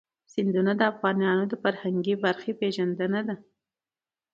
سیندونه د افغانانو د فرهنګي پیژندنې برخه ده.